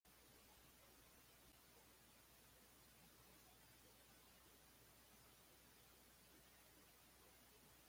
Inicialmente fue llamado La Angostura como corregimiento de Zapatoca.